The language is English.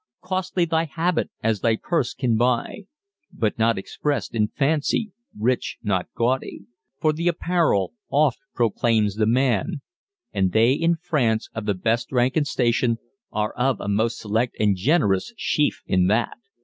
Costly thy habit as thy purse can buy, But not express'd in fancy; rich, not gaudy: For the apparel oft proclaims the man; And they in France of the best rank and station Are of a most select and generous sheaf in that.